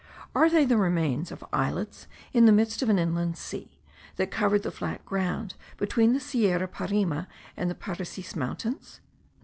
Are they the remains of islets in the midst of an inland sea, that covered the flat ground between the Sierra Parime and the Parecis mountains?